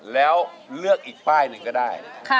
แล้วเลือกอีกป้ายหนึ่งก็ได้